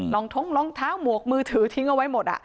งท้องรองเท้าหมวกมือถือทิ้งเอาไว้หมด